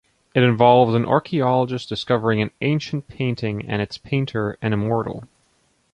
It involves an archaeologist discovering an ancient painting and its painter, an immortal.